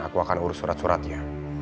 aku akan urus surat suratnya